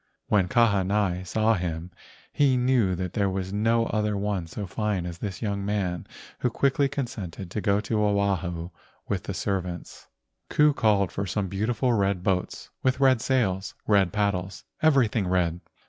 When Kahanai saw him he knew that there was no other one so fine as this young man who quickly consented to go to Oahu with his servants. Ku called for some beautiful red boats with red sails, red paddles,—everything red.